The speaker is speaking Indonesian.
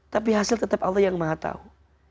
tapi hasil tetap allah yang maha tahu